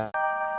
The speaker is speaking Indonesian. aku mau ke rumah